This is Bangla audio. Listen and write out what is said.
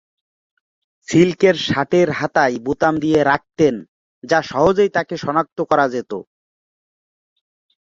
সিল্কের শার্টের হাতায় বোতাম দিয়ে রাখতেন যা সহজেই তাকে শনাক্ত করা যেতো।